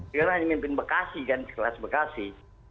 sekarang hanya mimpin bekasi kan kelas bekasi